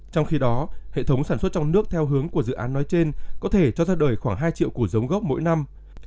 trong khi đó hệ thống sản xuất trong nước theo hướng của dự án nói trên có thể cho ra đời khoảng hai triệu củ giống gốc mỗi năm